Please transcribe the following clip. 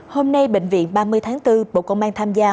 hôm nay bệnh viện ba mươi tháng bốn bộ công an tham gia